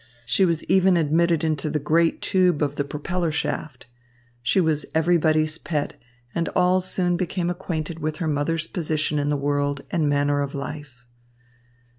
She was even admitted into the great tube of the propeller shaft. She was everybody's pet, and all soon became acquainted with her mother's position in the world and manner of life.